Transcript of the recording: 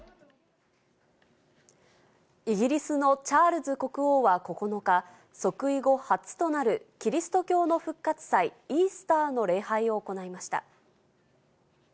イギリスのチャールズ国王は９日、即位後初となるキリスト教の復活祭、イースターの礼拝を行いました。